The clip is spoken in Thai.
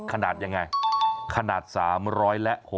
ขนาดอย่างไรขนาด๓๐๐และ๖๐๐กรัม